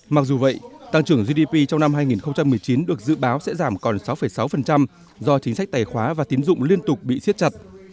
mặc dù vậy tăng trưởng gdp trong năm hai nghìn một mươi chín được dự báo sẽ giảm còn sáu sáu do chính sách tài khoá và tiến dụng liên tục bị siết chặt